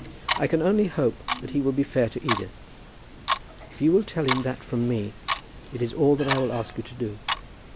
"I can only hope that he will be fair to Edith. If you will tell him that from me, it is all that I will ask you to do."